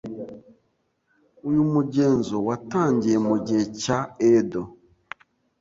Uyu mugenzo watangiye mugihe cya Edo.